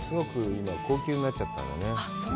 今、高級になっちゃったのよね。